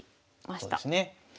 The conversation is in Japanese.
そうですね。